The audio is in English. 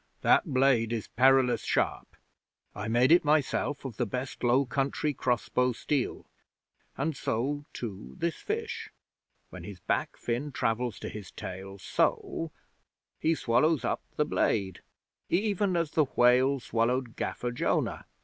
That blade is perilous sharp. I made it myself of the best Low Country cross bow steel. And so, too, this fish. When his back fin travels to his tail so he swallows up the blade, even as the whale swallowed Gaffer Jonah